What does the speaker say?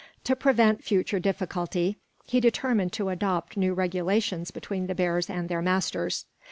To prevent future difficulty, he determined to adopt new regulations between the bears and their masters.